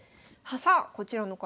さあこちらの方